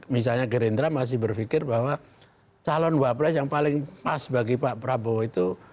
misalnya gerindra masih berpikir bahwa calon wapres yang paling pas bagi pak prabowo itu